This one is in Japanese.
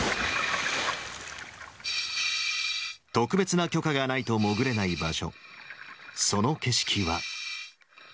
特別な許可がないと潜れない場所、その景色は。